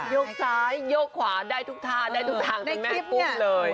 ยกซ้ายโยกขวาได้ทุกท่าได้ทุกทางได้แม่ปุ้มเลย